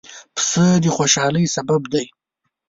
پسه د خوشحالۍ سبب دی.